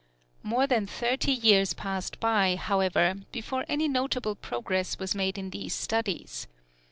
More than thirty years passed by, however, before any notable progress was made in these studies.